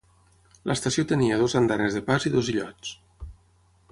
L'estació tenia dues andanes de pas i dos illots.